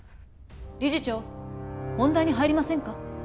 理事長本題に入りませんか？